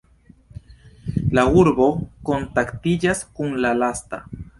La urbo kontaktiĝas kun la lasta.